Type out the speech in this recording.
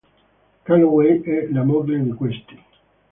Calloway e la moglie di questi.